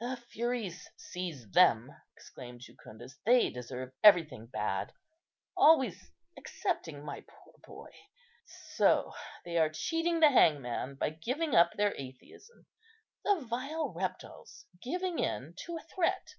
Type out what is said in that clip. "The Furies seize them!" exclaimed Jucundus: "they deserve everything bad, always excepting my poor boy. So they are cheating the hangman by giving up their atheism, the vile reptiles, giving in to a threat.